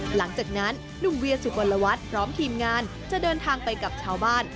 หลังจากนั้นหนุ่มเวียสุวรรณวัฒน์พร้อมทีมงานจะเดินทางไปกับชาวบ้าน